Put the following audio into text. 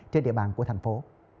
trên địa bàn của thành phố